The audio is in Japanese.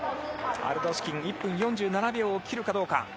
アルドシュキンは１分４７秒を切るかどうか。